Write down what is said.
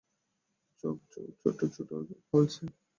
চোখ ছোট-ছোট, ঠোঁট কালচে।